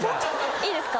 いいですか？